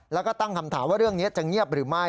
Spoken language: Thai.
แล้วก็ตั้งคำถามว่าเรื่องนี้จะเงียบหรือไม่